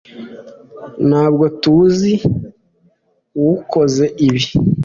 ntabwo tuzi uwukoze ibi